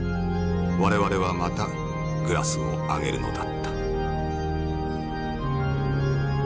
我々はまたグラスを上げるのだった」。